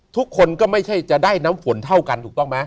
ทุกคนก็ไม่ใช่จะได้น้ำฝนเท่ากันถูกต้องไหม